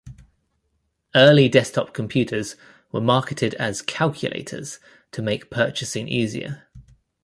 Early desktop computers were marketed as "Calculators" to make purchasing easier.